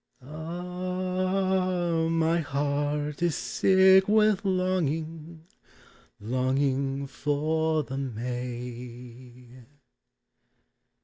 Ah! my heart is sick with longing, Longing for the May.